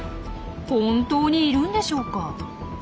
本当にいるんでしょうか。